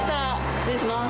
失礼します。